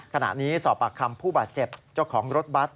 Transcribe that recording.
ขณะนี้สอบปากคำผู้บาดเจ็บเจ้าของรถบัตร